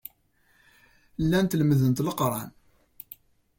Llant lemmdent Leqran.